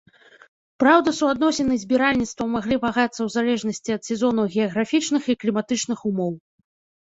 Праўда суадносіны збіральніцтва маглі вагацца ў залежнасці ад сезонаў геаграфічных і кліматычных умоў.